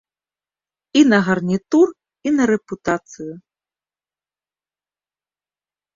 І на гарнітур, і на рэпутацыю.